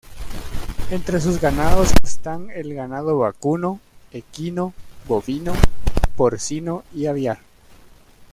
Entre sus ganados están el ganado vacuno, equino, bovino, porcino y aviar.